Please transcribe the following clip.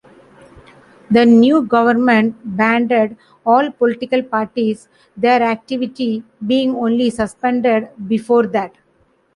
The new government banned all political parties, their activity being only suspended before that.